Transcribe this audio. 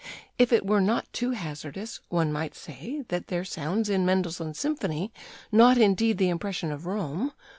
If it were not too hazardous, one might say ... [that] there sounds in Mendelssohn's symphony, not indeed the impression of Rome